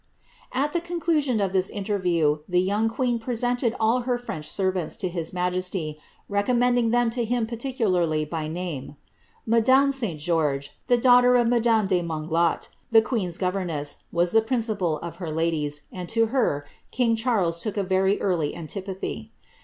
At the conclusion of this interview, the young queen presented all her French servants to his majesty, recommending them to him particularly by name. Madame St George, the daughter of madame de Monglat, the queen'a governess, was tlie principal of her ladies, and to her, king Charles took a very early antipathy.'